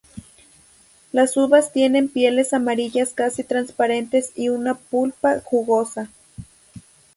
Las uvas tienen pieles amarillas casi transparentes y una pulpa jugosa.